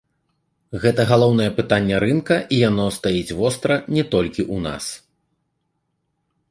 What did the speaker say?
Гэта галоўнае пытанне рынка, і яно стаіць востра не толькі ў нас.